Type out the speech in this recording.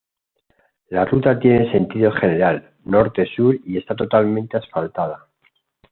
La ruta tiene sentido general norte-sur y está totalmente asfaltada.